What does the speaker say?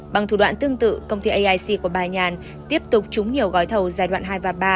bằng thủ đoạn tương tự công ty aic của bà nhàn tiếp tục trúng nhiều gói thầu giai đoạn hai và ba